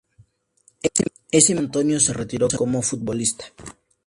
Ese mismo año Antonio se retiró como futbolista.